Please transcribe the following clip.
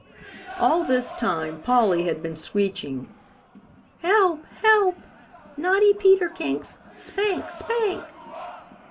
All this time Polly had been screeching, "Help! Help! Naughty Peter Kinks! Spank! Spank!"